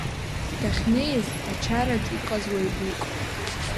Дахьнеиз, ачараҿ иҟаз уаҩ дук…